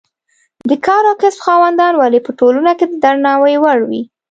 د کار او کسب خاوندان ولې په ټولنه کې د درناوي وړ وي.